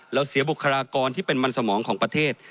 เสียบุคลากรที่เป็นมันสมองของประเทศ